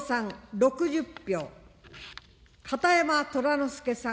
６０票、片山虎之助さん